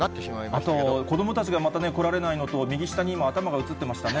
あと子どもたちがまた来られないのと、右下に今、頭が映っていましたね。